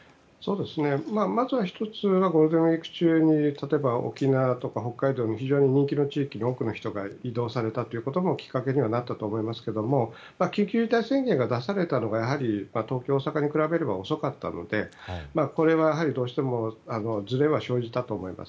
まずは１つはゴールデンウィーク中に例えば沖縄とか北海道という人気の地域に多くの人が移動されたということもきっかけにはなったと思いますが緊急事態宣言が出されたのがやはり東京や大阪に比べると遅かったのでこれは、やはりどうしてもずれは生じたと思います。